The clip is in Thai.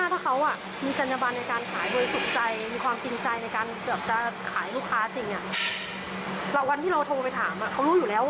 แล้วก็ให้เราติดเพื่อให้เราออกรถไปเลย